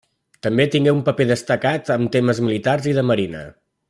També tingué un paper destacat en temes militars i de marina.